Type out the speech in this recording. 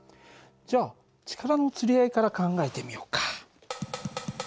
じゃあ力のつり合いから考えてみようか。